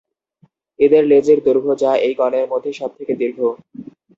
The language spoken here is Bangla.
এদের লেজের দৈর্ঘ্য যা এই গণের মধ্যে সব থেকে দীর্ঘ।